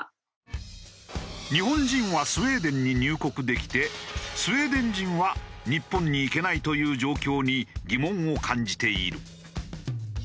日本人はスウェーデンに入国できてスウェーデン人は日本に行けないという状況に疑問を感じている。